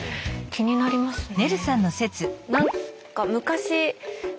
気になりますね。